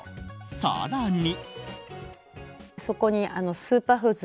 更に。